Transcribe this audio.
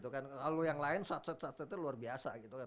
kalau yang lain satset satsetnya luar biasa